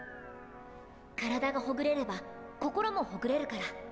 体がほぐれれば心もほぐれるから。